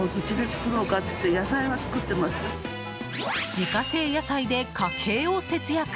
自家製野菜で家計を節約！